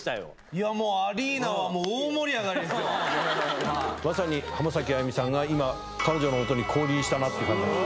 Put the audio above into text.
いや、もうアリーナは大盛りまさに浜崎あゆみさんが今、彼女のもとに降臨したなっていう感じ。